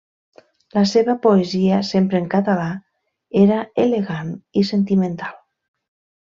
La seva poesia, sempre en català, era elegant i sentimental.